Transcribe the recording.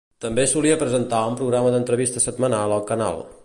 També solia presentar un programa d'entrevistes setmanal al canal.